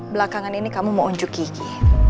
belakangan ini kamu mau unjuk gigi